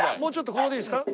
ここでいいですか？